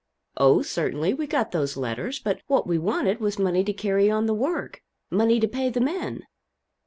"Oh, certainly, we got those letters. But what we wanted was money to carry on the work money to pay the men."